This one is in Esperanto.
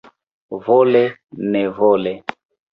Vole-nevole.